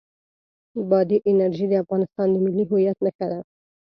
بادي انرژي د افغانستان د ملي هویت نښه ده.